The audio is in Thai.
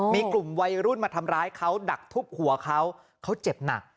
มีกลุ่มวัยรุ่นมาทำร้ายเขาดักทุบหัวเขาเขาเจ็บหนัก